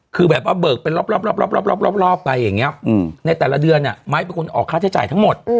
คือแบบว่าเบิกเป็นรอบไปอย่างนี้ในแต่ละเดือนไม้เป็นคนออกค่าใช้จ่ายทั้งหมด